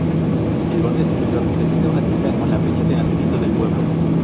El borde superior presenta una cinta con la fecha de nacimiento del pueblo.